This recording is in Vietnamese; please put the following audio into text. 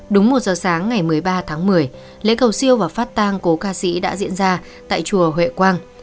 đúng một giờ sáng ngày một mươi ba tháng một mươi lễ cầu siêu và phát tang cố ca sĩ đã diễn ra tại chùa huệ quang